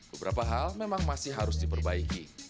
beberapa hal memang masih harus diperbaiki